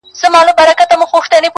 د هجران تبي نیولی ستا له غمه مړ به سمه؛